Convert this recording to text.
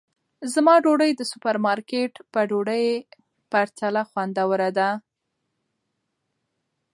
زما ډوډۍ د سوپرمارکېټ په ډوډۍ پرتله خوندوره ده.